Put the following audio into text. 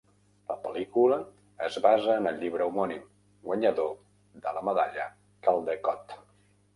La pel·lícula es basa en el llibre homònim, guanyador de la medalla Caldecott.